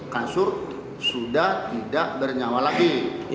kasur sudah tidak bernyawa lagi